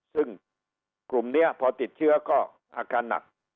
ซึ่งกลุ่มนี้พอติดเชื้อก็อาการหนัก